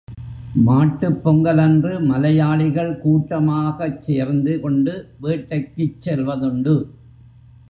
மாட்டுப் பொங்கலன்று மலையாளிகள் கூட்டமாகச் சேர்ந்து கொண்டு வேட்டைக்குச் செல்வதுண்டு.